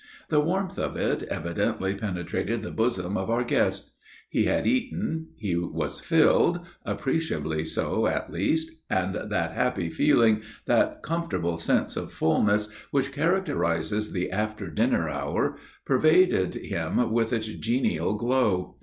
The warmth of it evidently penetrated the bosom of our guest. He had eaten. He was filled, appreciably so at least, and that happy feeling, that comfortable sense of fulness, which characterizes the after dinner hour, pervaded him with its genial glow.